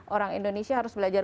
orang indonesia harus belajar